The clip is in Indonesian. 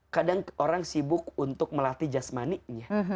kadang orang sibuk untuk melatih jasmaninya